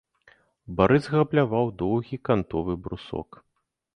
Барыс габляваў доўгі кантовы брусок.